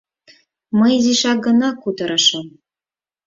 Мый изишак гына кутырышым.